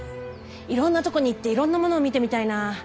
いろんなとこに行っていろんなもの見てみたいなぁ。